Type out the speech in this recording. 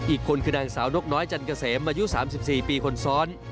อีกคนคือนางสาวนกน้อยจันเกษมอายุ๓๔ปีคนซ้อน